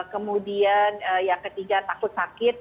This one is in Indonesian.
kemudian yang ketiga takut sakit